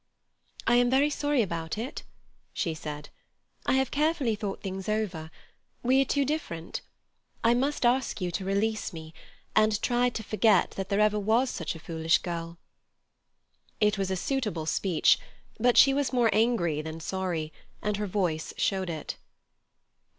"I am very sorry about it," she said; "I have carefully thought things over. We are too different. I must ask you to release me, and try to forget that there ever was such a foolish girl." It was a suitable speech, but she was more angry than sorry, and her voice showed it.